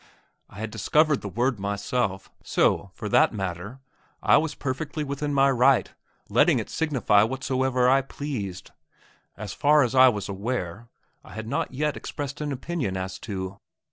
I had discovered the word myself, so, for that matter, I was perfectly within my right in letting it signify whatsoever I pleased. As far as I was aware, I had not yet expressed an opinion as to....